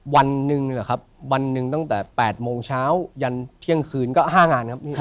วันหนึ่งหรือครับวันหนึ่งตั้งแต่๘โมงเช้ายันเที่ยงคืนก็๕งานครับพี่